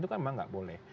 itu memang tidak boleh